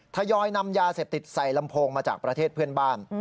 ทยอยนำยาเสพติดใส่ลำโพงมาจากประเทศเพื่อนบ้าน